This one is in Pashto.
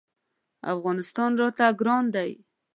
افغانستان راته ګران دی.